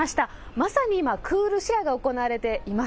まさに今、クールシェアが行われています。